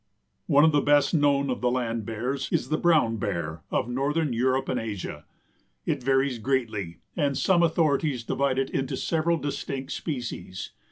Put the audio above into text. One of the best known of the Land Bears is the Brown Bear of Northern Europe and Asia. It varies greatly and some authorities divide it into several distinct species.